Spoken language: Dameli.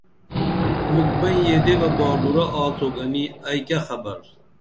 مُکھ بئیں یدے بہ باڈُرہ آڅُو گنی ائی کیہ خبر